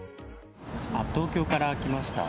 東京から来ました。